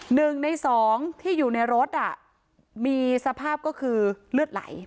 หนึ่งในสองที่อยู่ในรถอ่ะมีสภาพก็คือเลือดไหล